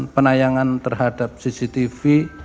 penayangan terhadap cctv